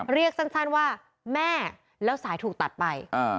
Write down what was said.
เรียกสั้นว่าแม่แล้วสายถูกตัดไป